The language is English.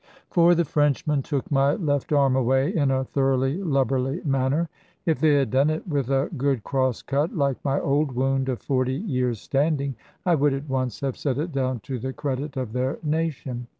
For the Frenchmen took my left arm away in a thoroughly lubberly manner. If they had done it with a good cross cut, like my old wound of forty years' standing, I would at once have set it down to the credit of their nation.